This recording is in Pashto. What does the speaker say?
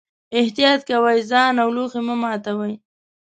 احتیاط کوئ، ځان او لوښي مه ماتوئ.